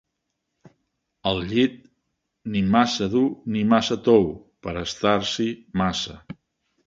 El llit, ni massa dur ni massa tou pera estar-s'hi massa